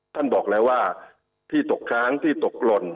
บอกแล้วว่าที่ตกค้างที่ตกหล่น